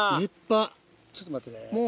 ちょっと待ってね。